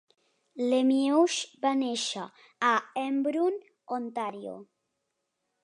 Lemieux va néixer a Embrun, Ontario.